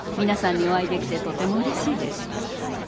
皆さんにお会いできてとてもうれしいです。